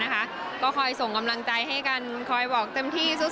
ก็คอยส่งกำลังใจให้กันคอยบอกเต็มที่สุด